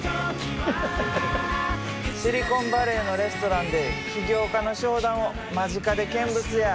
シリコンバレーのレストランで起業家の商談を間近で見物や！